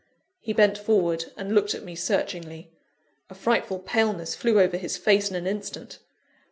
He bent forward, and looked at me searchingly. A frightful paleness flew over his face in an instant.